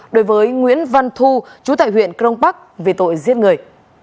đối với nguyễn văn thu chú tại huyện crong bắc vì tội giết người